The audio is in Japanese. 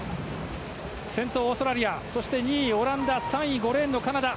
先頭はオーストラリア２位はオランダ３位、５レーンのカナダ。